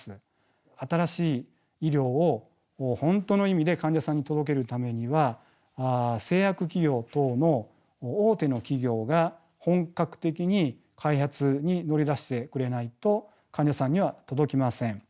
新しい医療を本当の意味で患者さんに届けるためには製薬企業等の大手の企業が本格的に開発に乗り出してくれないと患者さんには届きません。